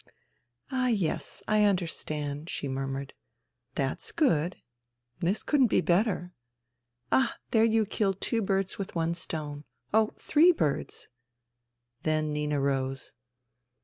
" Ah, yes. I understand," she murmured. " That's good. This couldn't be better. Ah, there you kill two birds with one stone ... oh, three birds !" Then Nina rose.